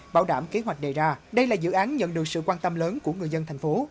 bảo đảm kế hoạch đề ra đây là dự án nhận được sự quan tâm lớn của người dân thành phố